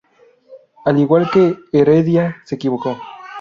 Al igual que Heredia, se equivocó.